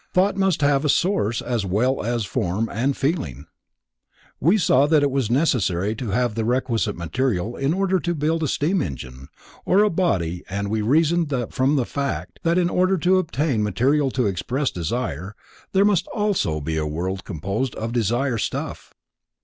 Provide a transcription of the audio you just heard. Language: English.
Thought must have a source as well as form and feeling. We saw that it was necessary to have the requisite material in order to build a steam engine or a body and we reasoned from the fact that in order to obtain material to express desire there must also be a world composed of desire stuff.